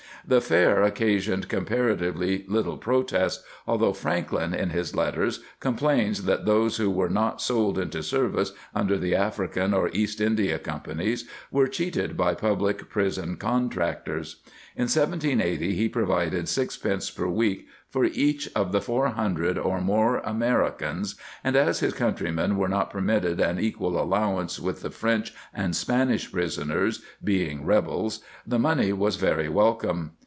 The fare occasioned comparatively little protest, although Franklin, in his letters, complains that those who were not sold into service under the African or East India Companies were cheated by public prison contractors.^ In 1780 he provided six pence per week for each of the four hundred or more Americans, and as his countrymen were not permitted an equal allowance with the French and Spanish prisoners (being rebels), the money was very welcome.